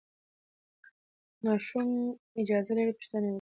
ماشومان اجازه لري پوښتنه وکړي.